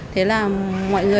thế là mọi người